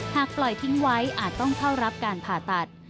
หากปล่อยทิ้งไว้อาจต้องเข้ารับการผ่าตัด